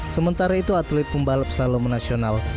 sementara itu atlet pembalap selalu menasional